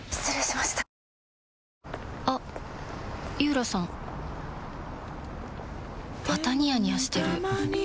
またニヤニヤしてるふふ。